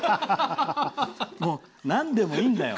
もう、なんでもいいんだよ。